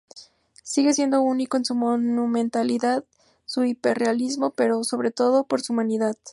Sigue siendo único en su monumentalidad, su hiperrealismo, pero sobre todo por su humanidad.